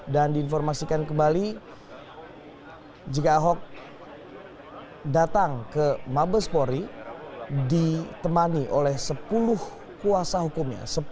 diinformasikan kembali jika ahok datang ke mabespori ditemani oleh sepuluh kuasa hukumnya